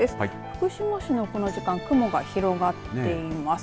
福島市はこの時間雲が広がっています。